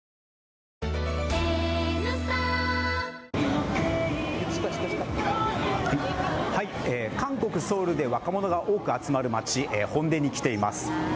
ニトリ韓国・ソウルで若者が多く集まる街、ホンデに来ています。